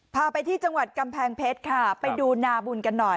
พาไปที่จังหวัดกำแพงเพชรค่ะไปดูนาบุญกันหน่อย